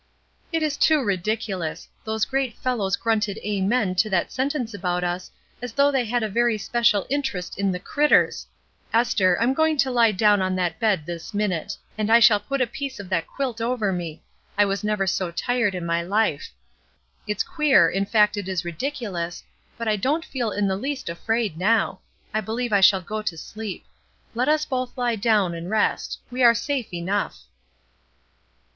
"It is too ridiculous! those great fellows grim ted 'amen' to that sentence about us, as though they had a very special interest in the 'critters.' Esther, I'm going to lie down on that bed this minute ! and I shall put a piece of that quilt over me. I was never so tired in my life. It's queer, in fact, it is ridiculous, but I don't feel in the least afraid now. I believe I shall go to sleep. Let us both lie down and rest. We are safe enough."